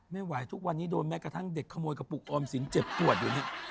ไม่ไหวทุกวันนี้โดนแม้กระทั่งเด็กขโมยกระปุกออมสินเจ็บปวดอยู่นี่